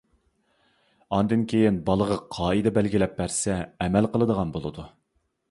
ئاندىن كىيىن بالىغا قائىدە بەلگىلەپ بەرسە، ئەمەل قىلىدىغان بولىدۇ.